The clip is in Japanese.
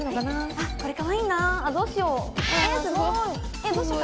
あっこれかわいいなあっどうしよう。